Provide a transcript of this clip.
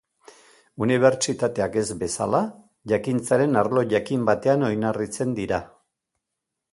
Unibertsitateak ez bezala, jakintzaren arlo jakin batean oinarritzen dira.